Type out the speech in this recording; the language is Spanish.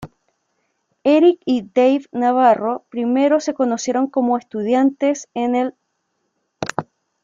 Eric y Dave Navarro primero se conocieron como estudiantes en el St.